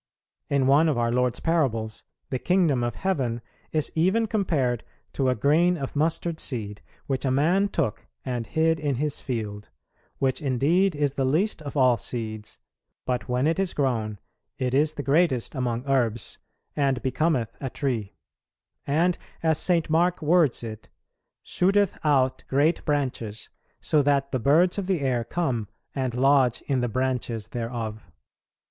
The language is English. In one of our Lord's parables "the Kingdom of Heaven" is even compared to "a grain of mustard seed, which a man took and hid in his field; which indeed is the least of all seeds, but when it is grown it is the greatest among herbs, and becometh a tree," and, as St. Mark words it, "shooteth out great branches, so that the birds of the air come and lodge in the branches thereof."